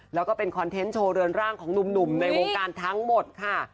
แล้วก็เป็นคอนเทนต์โชว์เรือนร่างของหนุ่มในวงการทั้งหมดค่ะ